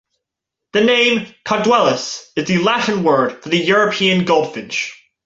The name "carduelis" is the Latin word for the European goldfinch.